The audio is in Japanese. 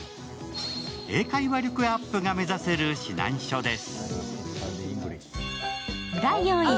英会話力アップが目指せる指南書です。